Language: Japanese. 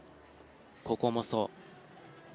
ここもそう。